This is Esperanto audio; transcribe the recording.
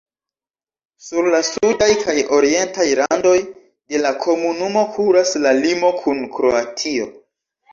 Sur la sudaj kaj orientaj randoj de la komunumo kuras la limo kun Kroatio.